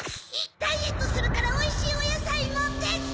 ・ダイエットするからおいしいおやさいもってきて・